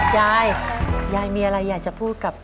ยายยายมีอะไรอยากจะพูดกับ